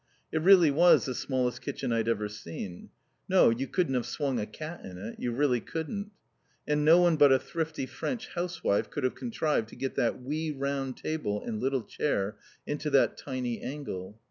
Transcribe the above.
It really was the smallest kitchen I'd ever seen, No, you couldn't have swung a cat in it you really couldn't. And no one but a thrifty French housewife could have contrived to get that wee round table and little chair into that tiny angle.